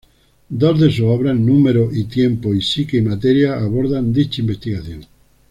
Dos de sus obras "Número y tiempo" y "Psique y materia" abordan dicha investigación.